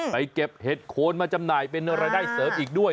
เก็บเห็ดโคนมาจำหน่ายเป็นรายได้เสริมอีกด้วย